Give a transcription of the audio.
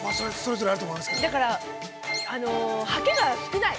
だから、ハケが少ない。